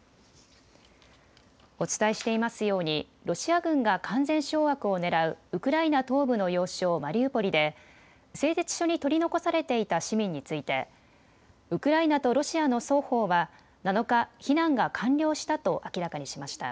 お伝えしていますようにロシア軍が完全掌握をねらうウクライナ東部の要衝マリウポリで製鉄所に取り残されていた市民についてウクライナとロシアの双方は７日、避難が完了したと明らかにしました。